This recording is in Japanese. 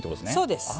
そうです。